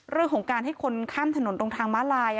เรื่องของการให้คนข้ามถนนตรงทางม้าลาย